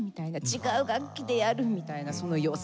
違う楽器でやるみたいなその良さみたいなね。